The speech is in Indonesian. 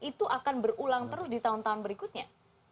itu akan berulang terus di tahun tahun berikutnya